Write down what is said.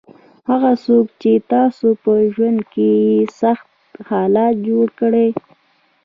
هغه څوک چې تاسو په ژوند کې یې سخت حالات جوړ کړل.